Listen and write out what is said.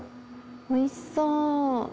おいしそう。